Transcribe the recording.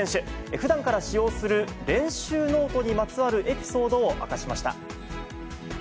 ふだんから使用する練習ノートにまつわるエピソードを明かしました。